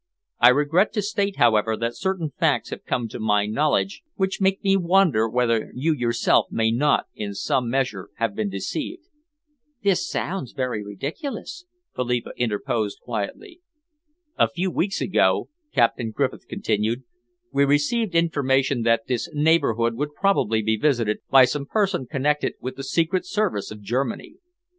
I regret to state, however, that certain facts have come to my knowledge which make me wonder whether you yourself may not in some measure have been deceived." "This sounds very ridiculous," Philippa interposed quietly. "A few weeks ago," Captain Griffith continued, "we received information that this neighbourhood would probably be visited by some person connected with the Secret Service of Germany.